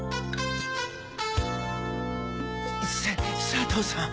さ佐藤さん